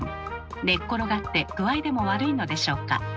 寝っ転がって具合でも悪いのでしょうか。